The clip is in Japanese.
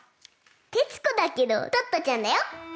徹子だけどトットちゃんだよ。